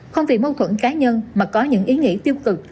không vì mâu thuẫn cá nhân mà có những ý nghĩa tiêu cực